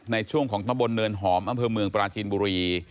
ในช่วงของตะบนเนินหอมอำเภอเมืองปราจีนบุรี